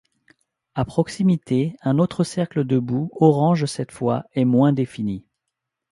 À proximité, un autre cercle de boue, orange cette fois, est moins défini.